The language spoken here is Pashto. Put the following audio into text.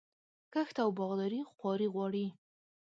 کښت او باغداري خواري غواړي.